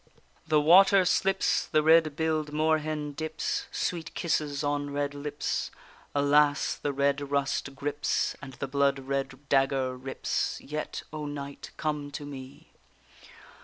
The water slips, The red bill'd moorhen dips. Sweet kisses on red lips; Alas! the red rust grips, And the blood red dagger rips, Yet, O knight, come to me!